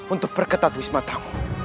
untuk perketat wisma tamu